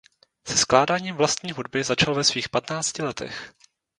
Se skládáním vlastní hudby začal ve svých patnácti letech.